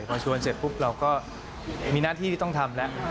พอชวนเสร็จปุ๊บเราก็มีหน้าที่ที่ต้องทำแล้ว